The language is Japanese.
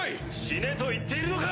・・死ねと言っているのか！